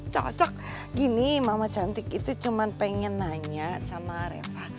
cocok gini mama cantik itu cuma pengen nanya sama reva